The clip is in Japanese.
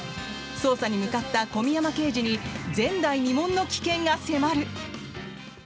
捜査に向かった小宮山刑事に前代未聞の危険が迫る！